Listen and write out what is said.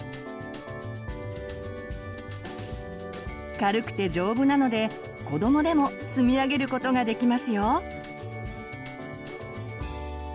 軽くて丈夫なので子どもでも積み上げることができますよ。